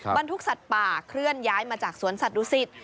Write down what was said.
บรรทุกสัตว์ป่าเคลื่อนย้ายมาจากสวนสัตวศิษฐ